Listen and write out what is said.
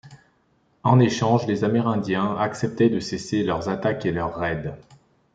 En échange, les Amérindiens acceptaient de cesser leurs attaques et leurs raids.